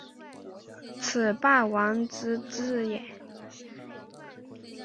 此霸王之资也。